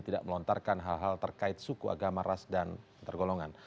tidak melontarkan hal hal terkait suku agama ras dan tergolongan